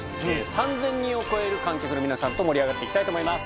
３０００人を超える観客の皆さんと盛り上がっていきたいと思います。